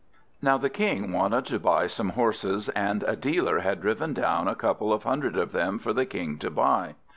Now the King wanted to buy some horses, and a dealer had driven down a couple of hundred of them for the King to buy.